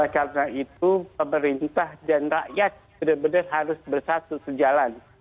karena itu pemerintah dan rakyat benar benar harus bersatu sejalan